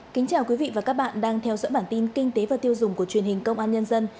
kính chào quý vị và các bạn đang theo dõi bản tin kinh tế và tiêu dùng của truyền hình công an nhân dân